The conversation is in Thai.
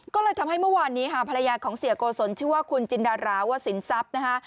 ก็เลยทำให้เมื่อวานนี้ค่ะภรรยาของเสียโกศลชื่อว่าคุณจินดาราวสินทรัพย์นะคะ